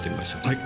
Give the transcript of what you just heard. はい。